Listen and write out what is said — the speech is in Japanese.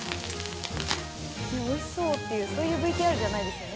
おいしそうっていうそういうＶＴＲじゃないですよね